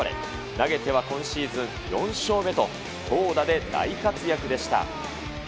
投げては今シーズン４勝目と、投打で大活躍でした。